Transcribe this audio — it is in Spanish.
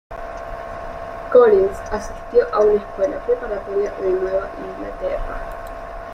Collins asistió a una escuela preparatoria de Nueva Inglaterra.